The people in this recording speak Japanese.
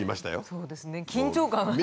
そうですね緊張感が。